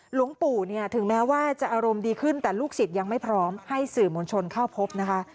หลวงปู่เนี่ยถึงแม้ว่าจะอารมณ์ดีขึ้นแต่ลูกศิษย์ยังไม่พร้อมให้สื่อมวลชนเข้าพบนะคะ